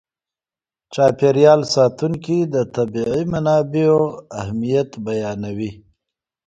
چاپېر یال ساتونکي د طبیعي منابعو اهمیت بیانوي.